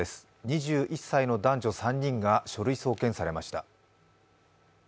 ２１歳の男女３人が書類送検されました。